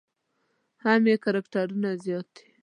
هم یې کرکټرونه زیات دي.